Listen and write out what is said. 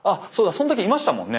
そんときいましたもんね。